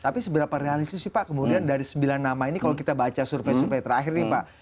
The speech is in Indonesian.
tapi seberapa realistis sih pak kemudian dari sembilan nama ini kalau kita baca survei survei terakhir nih pak